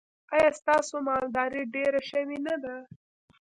ایا ستاسو مالداري ډیره شوې نه ده؟